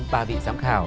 ba vị giám khảo